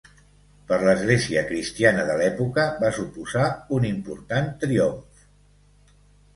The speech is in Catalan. Per l'església cristiana de l'època va suposar un important triomf.